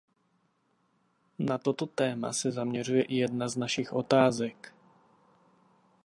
Na toto téma se zaměřuje i jedna z našich otázek.